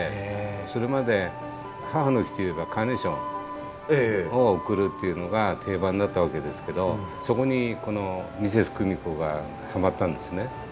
それまで母の日といえばカーネーションを贈るっていうのが定番だったわけですけどそこにこのミセスクミコがはまったんですね。